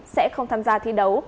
sẽ không tham gia thi đấu